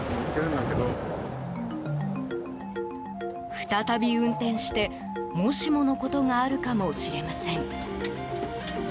再び運転して、もしものことがあるかもしれません。